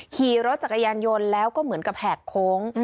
ขี่รถจักรยานยนต์แล้วก็เหมือนกับแหกโค้ง